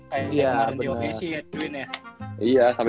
kayak dia sama di occasi ya twinnya